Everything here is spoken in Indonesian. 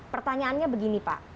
pertanyaannya begini pak